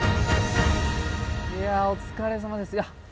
いやお疲れさまです。